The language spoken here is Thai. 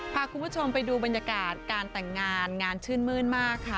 พาคุณผู้ชมไปดูบรรยากาศการแต่งงานงานชื่นมื้นมากค่ะ